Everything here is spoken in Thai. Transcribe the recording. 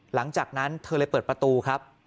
หลังจากนั้นเธอเลยเปิดประตูครับ